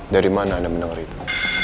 dari mana anda mendengar itu